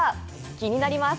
気になります！